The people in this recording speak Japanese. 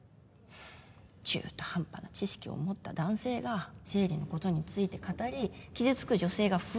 中途半端な知識を持った男性が生理のことについて語り傷つく女性が増える。